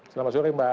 selamat sore mbak